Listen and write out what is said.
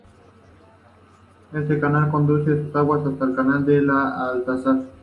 Este canal conduce sus aguas hasta el canal de El Atazar.